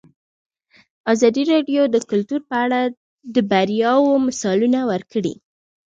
ازادي راډیو د کلتور په اړه د بریاوو مثالونه ورکړي.